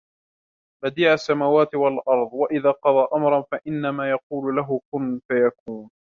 بَدِيعُ السَّمَاوَاتِ وَالْأَرْضِ وَإِذَا قَضَى أَمْرًا فَإِنَّمَا يَقُولُ لَهُ كُنْ فَيَكُونُ